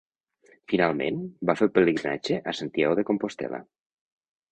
Finalment, va fer el pelegrinatge a Santiago de Compostel·la.